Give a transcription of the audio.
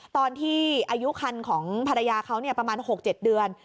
ตอนที่อายุคันของภรรยาเขาประมาณ๖๗เดือน